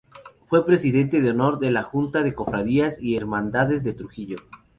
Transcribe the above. Fue Presidente de Honor de la Junta de Cofradías y Hermandades de Trujillo.